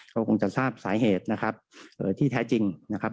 ก็คงจะทราบสาเหตุนะครับที่แท้จริงนะครับ